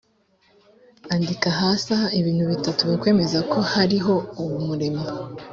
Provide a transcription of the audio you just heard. andika hasi aha ibintu bitatu bikwemeza ko hariho umuremyi